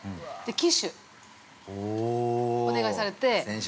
旗手、お願いされて。